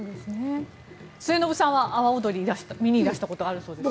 末延さんは、阿波おどり見にいらしたこともあるそうですね。